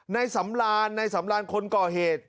ในสำรานในสำรานคนก่อเหตุ